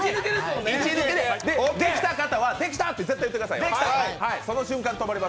１抜けで、できた方は「できた！」って言ってくださいよ。